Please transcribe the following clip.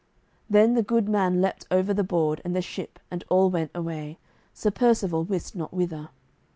Then the good man leaped over the board, and the ship and all went away, Sir Percivale wist not whither.